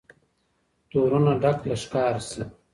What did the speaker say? تورونه ډک له ښکار سي